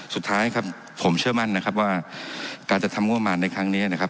สุดท้ายครับผมเชื่อมั่นนะครับว่าการจัดทำงบประมาณในครั้งนี้นะครับ